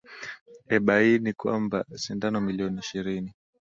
ebaini kwamba sindano milioni ishirini